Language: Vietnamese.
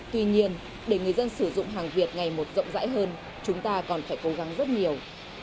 tuy nhiên để người dân sử dụng hàng việt ngày một rộng rãi hơn chúng ta còn phải cố gắng rất nhiều